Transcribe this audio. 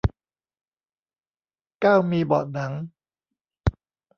เก้ามีเบาะหนัง